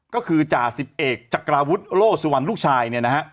ก็คือจ่าสิบเอกจักราวุฒิโลสุวรรณลูกชายเนี่ยนะฮะ